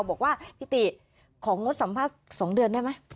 บอกว่าพี่ติของงดสัมภาษณ์๒เดือนได้ไหม